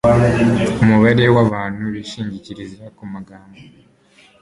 Umubare wabantu bishingikiriza kumagambo